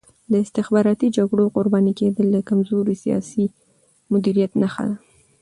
د استخباراتي جګړو قرباني کېدل د کمزوري سیاسي مدیریت نښه ده.